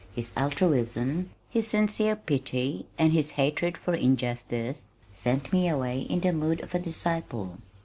His altruism, his sincere pity and his hatred of injustice sent me away in the mood of a disciple.